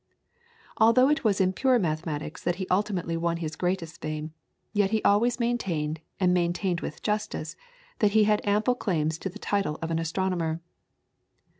Although it was in pure mathematics that he ultimately won his greatest fame, yet he always maintained and maintained with justice, that he had ample claims to the title of an astronomer.